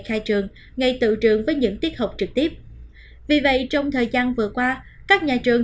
khai trường ngay tự trường với những tiết học trực tiếp vì vậy trong thời gian vừa qua các nhà trường